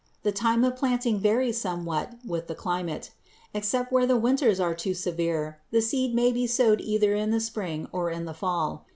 The time of planting varies somewhat with the climate. Except where the winters are too severe the seed may be sowed either in the spring or in the fall.